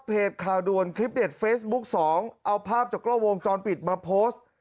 ข่าวด่วนคลิปเด็ดเฟซบุ๊คสองเอาภาพจากกล้องวงจรปิดมาโพสต์